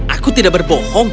aku tidak berbohong